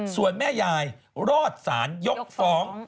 ส่วนแม่ยายรอดสารยกฟ้อง